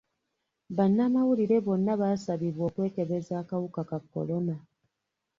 Bannamawulire bonna baasabibwa okwekebeza akawuka ka kolona.